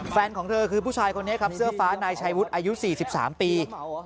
ของเธอคือผู้ชายคนนี้ครับเสื้อฟ้านายชายวุฒิอายุ๔๓ปี